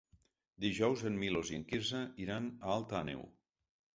Dijous en Milos i en Quirze iran a Alt Àneu.